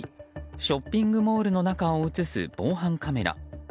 ショッピングモールの中を映す防犯カメラ。